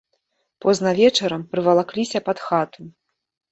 Позна вечарам прывалакліся пад хату.